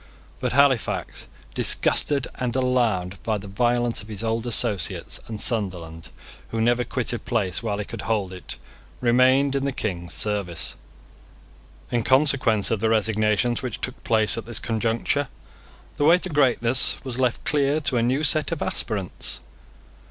But Halifax, disgusted and alarmed by the violence of his old associates, and Sunderland, who never quitted place while he could hold it, remained in the King's service. In consequence of the resignations which took place at this conjuncture, the way to greatness was left clear to a new set of aspirants.